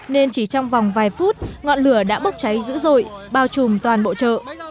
nên chỉ trong vòng vài phút ngọn lửa đã bốc cháy dữ dội bao trùm toàn bộ chợ